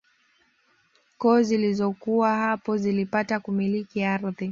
Koo zilizokuwa hapo zilipata kumiliki ardhi